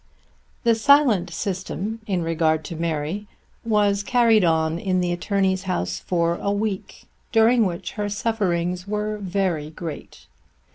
The silent system in regard to Mary was carried on in the attorney's house for a week, during which her sufferings were very great.